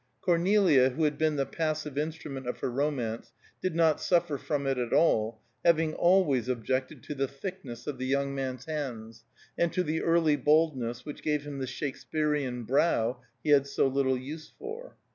Cornelia, who had been the passive instrument of her romance, did not suffer from it at all, having always objected to the thickness of the young man's hands, and to the early baldness which gave him the Shakespearian brow he had so little use for.